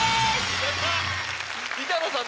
板野さん